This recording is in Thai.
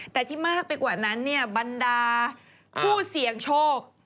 แต่ที่มากไปกว่านั้นเนี่ยบรรดาผู้เสี่ยงโชค